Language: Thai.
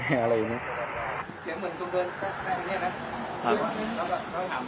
เปรียบเยี่ยม